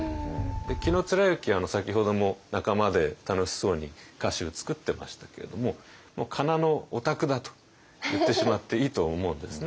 紀貫之先ほども仲間で楽しそうに歌集作ってましたけれどももうかなのオタクだと言ってしまっていいと思うんですね。